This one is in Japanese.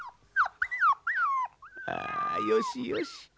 あよしよし。